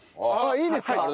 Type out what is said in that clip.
いいんですか？